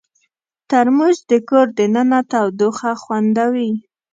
ترموز د کور دننه تودوخه خوندوي.